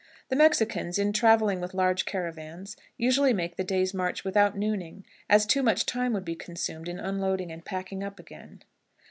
The Mexicans, in traveling with large caravans, usually make the day's march without nooning, as too much time would be consumed in unloading and packing up again.